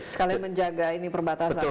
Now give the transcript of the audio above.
sekalian menjaga ini perbatasan